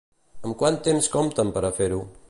Amb quant temps compten per a fer-ho?